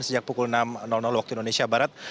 sejak pukul enam waktu indonesia barat